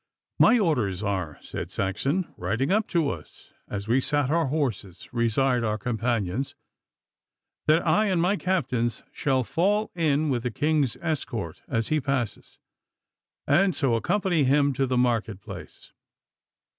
'My orders are,' said Saxon, riding up to us as we sat our horses reside our companions, 'that I and my captains should fall in with the King's escort as he passes, and so accompany him to the market place.